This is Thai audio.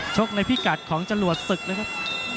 ในพิกัดของจรวดศึกนะครับ